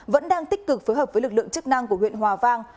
vẫn đang tích cực phối hợp với lực lượng chức năng của huyện hòa vang